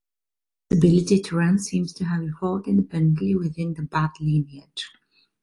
This ability to run seems to have evolved independently within the bat lineage.